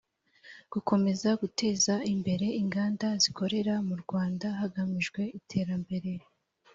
gukomeza guteza imbere inganda zikorera mu rwanda hagamijwe iterambere